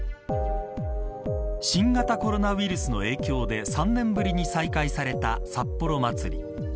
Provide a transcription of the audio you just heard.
新型コロナウイルスの影響で３年ぶりに再開された札幌まつり。